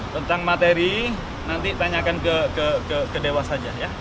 tentang materi nanti tanyakan ke dewas saja ya